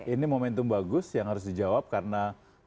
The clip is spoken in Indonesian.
ini momentum bagus yang harus dijawab karena